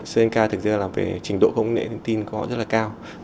sri lanka thực ra là về trình độ công nghệ tin của họ rất là cao